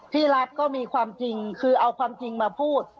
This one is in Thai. ที่รัฐก็มีความจริงคือเอาความจริงมาพูด